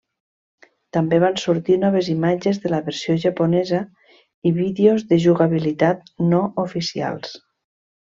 També van sortir noves imatges de la versió japonesa i vídeos de jugabilitat no oficials.